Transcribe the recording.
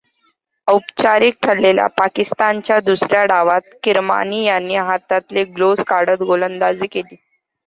औपचारिक ठरलेल्या पाकिस्तानच्या दुसऱ्या डावात किरमाणी यांनी हातातले ग्लोव्हज काढत गोलंदाजी केली.